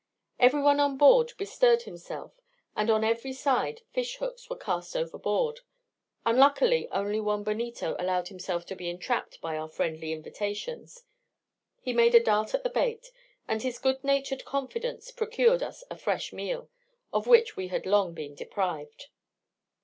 Every one on board bestirred himself, and on every side fish hooks were cast overboard; unluckily only one bonito allowed himself to be entrapped by our friendly invitations; he made a dart at the bait, and his good natured confidence procured us a fresh meal, of which we had long been deprived.